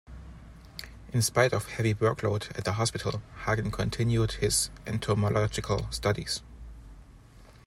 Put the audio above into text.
In spite of the heavy workload at the hospital, Hagen continued his entomological studies.